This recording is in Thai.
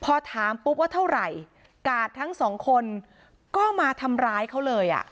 พอถามปุ๊บว่าเท่าไหร่กาดทั้งสองคนก็มาทำร้ายเขาเลยอ่ะ